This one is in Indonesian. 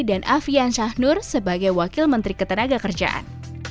dan afian syahnur sebagai wakil menteri ketenaga kerjaan